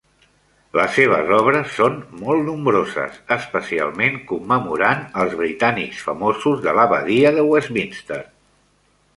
Les seves obres són molt nombroses especialment commemorant els britànics famosos de l'Abadia de Westminster.